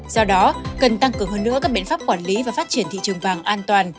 do đó cần tăng cường hơn nữa các biện pháp quản lý và phát triển thị trường vàng an toàn